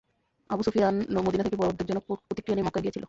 Abu Sufyan Medina থেকে বড় উদ্বেগজনক প্রতিক্রিয়া নিয়ে মক্কায় গিয়েছিল।